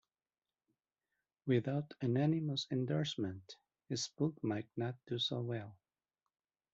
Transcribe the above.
Without unanimous endorsement, his book might not do so well.